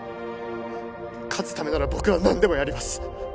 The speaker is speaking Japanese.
勝つためなら僕は何でもやります